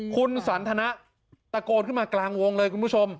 คุณสันทนะตะโกนขึ้นมากลางวงเลยคุณผู้ชม